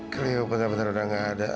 cleo betul betul udah nggak ada